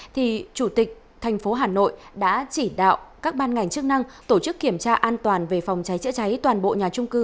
thì chủ tịch thành phố hà nội đã chỉ đạo các ban ngành chức năng tổ chức kiểm tra an toàn về phòng cháy chữa cháy toàn bộ nhà trung cư